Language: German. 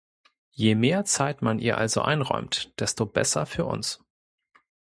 Je mehr Zeit man ihr also einräumt, desto besser für uns!